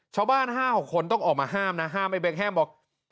ชาวบ้าน๕๖คนต้องออกมาห้ามนะห้ามไอ้เบคห้ามบอก